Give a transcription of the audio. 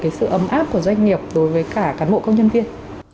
cái sự ấm áp của doanh nghiệp đối với cả cán bộ công nhân viên